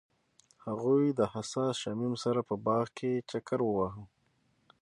هغوی د حساس شمیم سره په باغ کې چکر وواهه.